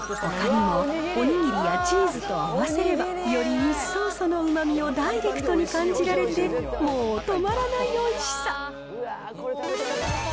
ほかにもお握りやチーズと合わせれば、より一層そのうまみをダイレクトに感じられて、もう止まらないおいしさ。